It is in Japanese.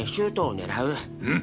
うん。